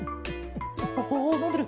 おおのんでる。